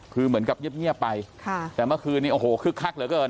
คือเหมือนกับเงียบไปค่ะแต่เมื่อคืนนี้โอ้โหคึกคักเหลือเกิน